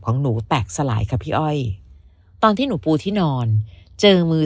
ของหนูแตกสลายค่ะพี่อ้อยตอนที่หนูปูที่นอนเจอมือ